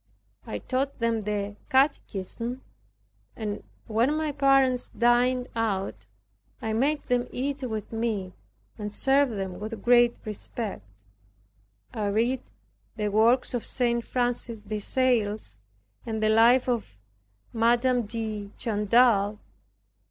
I taught them the catechism and when my parents dined out I made them eat with me and served them with great respect. I read the works of St. Francis de Sales and the life of Madam de Chantal.